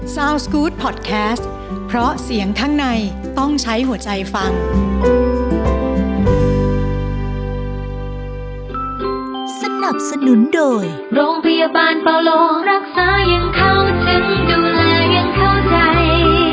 สนับสนุนโดยโรงพยาบาลปาโลรักษายังเข้าฉันดูแลยังเข้าใจ